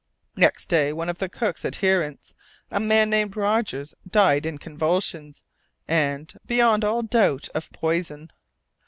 Next day, one of the cook's adherents, a man named Rogers, died in convulsions, and, beyond all doubt, of poison.